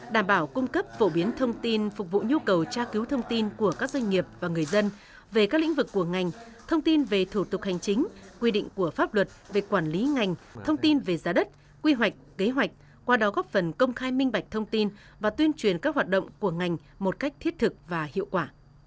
đảm bảo cung cấp phổ biến thông tin phục vụ nhu cầu tra cứu thông tin của các doanh nghiệp và người dân về các lĩnh vực của ngành thông tin về thủ tục hành chính quy định của pháp luật về quản lý ngành thông tin về giá đất quy hoạch kế hoạch qua đó góp phần công khai minh bạch thông tin và tuyên truyền các hoạt động của ngành một cách thiết thực và hiệu quả